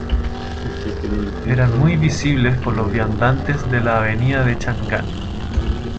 Eran muy visibles por los viandantes de la Avenida de Chang'an.